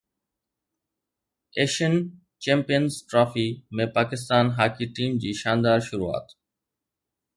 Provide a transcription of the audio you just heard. Asian champions trophy ۾ Pakistan hockey team جي شاندار شروعات